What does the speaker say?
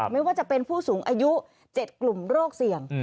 ไม่ว่าจะเป็นผู้สูงอายุ๗กลุ่มโรคเสี่ยง